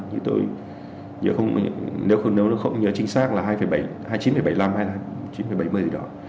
như tôi nếu không nhớ chính xác là hai mươi chín bảy mươi năm hay là hai mươi chín bảy mươi gì đó